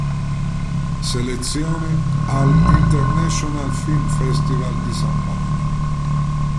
Selezione al "International Film Festival di San Paolo".